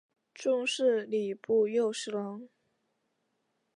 终仕礼部右侍郎。